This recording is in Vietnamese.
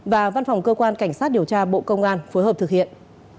và văn phòng cơ quan cảnh sát điều tra bộ công an phối hợp thực hiện